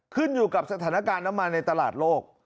ขึ้นอยู่กับสถานการณ์น้ำมันในตลาดโลก